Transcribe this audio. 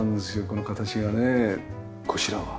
この形がね。こちらは？